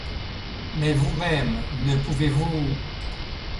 Mais, vous-même, ne pouvez-vous...